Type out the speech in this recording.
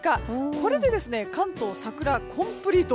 これで関東、桜コンプリート。